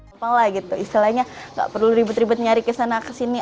gapalah gitu istilahnya gak perlu ribet ribet nyari kesana kesini